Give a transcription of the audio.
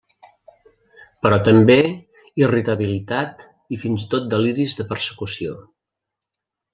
Però també irritabilitat i fins i tot deliris de persecució.